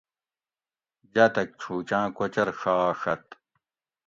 جاۤتک چُھوچاۤں کوچور ڛاڛت